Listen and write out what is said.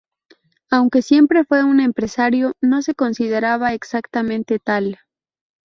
Aunque siempre fue un empresario, no se consideraba exactamente tal.